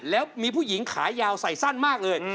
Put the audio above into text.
แล้วมีผู้หญิงขายาวใส่สั้นมากเลย